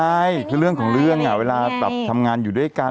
ใช่คือเรื่องของเรื่องเวลาแบบทำงานอยู่ด้วยกัน